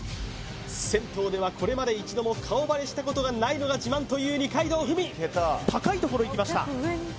銭湯ではこれまで一度も顔バレしたことがないのが自慢という二階堂ふみ高いところいきました